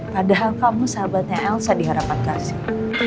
padahal kamu sahabatnya elsa di harapan kasih